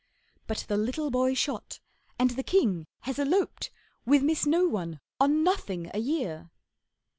But the little boy shot, and the king has eloped With Miss No one on Nothing a year.